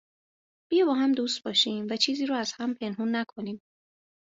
بیا باهم دوست باشیم و چیزی رو از هم پنهون نکنیم